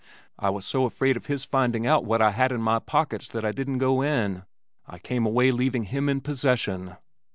I was so afraid of his finding out what I had in my pockets that I didn't go in. I came away leaving him in possession."